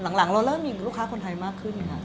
หลังเราเริ่มมีลูกค้าคนไทยมากขึ้นค่ะ